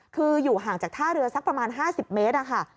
คืออยู่ห่างจากท่าเรือสักประมาณ๕๐เมตรค่ะ